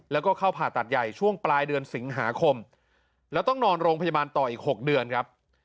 แล้วก็เข้าผ่าตัดใหญ่ช่วงปลายเดือนสิงหาคมแล้วต้องนอนโรงพยาบาลต่ออีก๖เดือนครับ